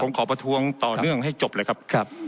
ผมขอประท้วงต่อเนื่องให้จบเลยครับ